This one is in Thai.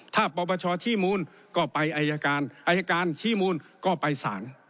ถ้าปปชชี้มูลก็ไปอายการอายการชี้มูลก็ไปสาร